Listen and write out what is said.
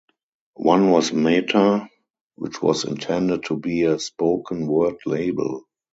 One was Meta, which was intended to be a spoken word label.